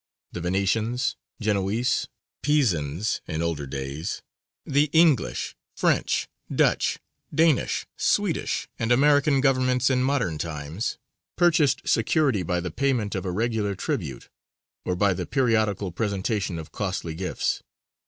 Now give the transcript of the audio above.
The Venetians, Genoese, Pisans in older days; the English, French, Dutch, Danish, Swedish, and American Governments in modern times, purchased security by the payment of a regular tribute, or by the periodical presentation of costly gifts.